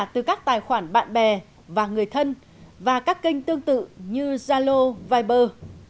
từ các tài khoản bạn bè và người thân và các kênh tương tự như zalo viber